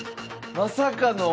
まさかの？